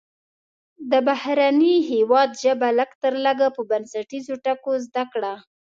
د بهرني هیواد ژبه لږ تر لږه په بنسټیزو ټکو زده کړه.